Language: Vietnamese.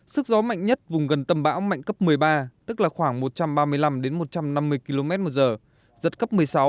sức gió mạnh nhất vùng gần tâm bão mạnh cấp một mươi ba tức là khoảng một trăm ba mươi năm một trăm năm mươi km một giờ giật cấp một mươi sáu